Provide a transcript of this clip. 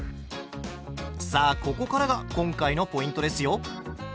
さあここからが今回のポイントですよ。